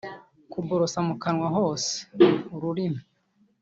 kuborosa mu kanwa hose (ururimi